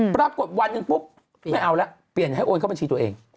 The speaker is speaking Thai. ปรากฏวันหนึ่งปุ๊บไม่เอาแล้วเปลี่ยนให้โอนเข้าบัญชีตัวเอง